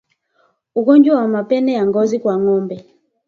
Ugonjwa wa mapele ya ngozi kwa ngombe